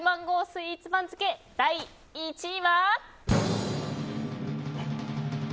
スイーツ番付第１位は。